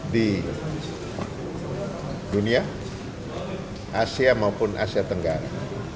di dunia asia maupun asia tenggara